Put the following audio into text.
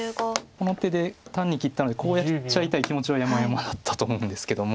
この手で単に切ったのでこうやっちゃいたい気持ちはやまやまだったと思うんですけども。